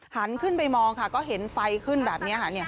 หันขึ้นไปมองค่ะก็เห็นไฟขึ้นแบบนี้ค่ะ